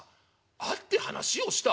「会って話をした？